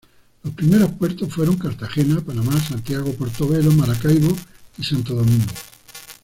Los primeros puertos fueron Cartagena, Panamá, Santiago, Portobelo, Maracaibo y Santo Domingo.